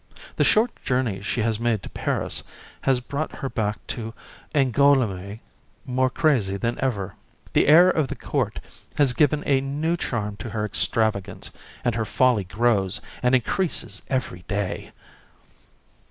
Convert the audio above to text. The short journey she has made to Paris has brought her back to Angoulême more crazy than ever. The air of the court has given a new charm to her extravagance, and her folly grows and increases every day.